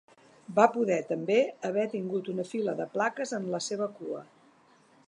Va poder també haver tingut una fila de plaques en la seva cua.